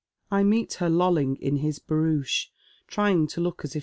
I meet her lolling in his barouche, trying to look as \S.